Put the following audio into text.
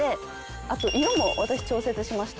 あと色も私調節しました。